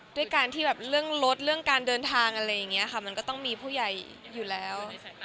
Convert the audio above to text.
ด้วยการที่แบบเรื่องรถเรื่องการเดินทางอะไรอย่างนี้ค่ะมันก็ต้องมีผู้ใหญ่อยู่แล้ว